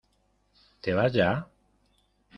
¿ te vas ya?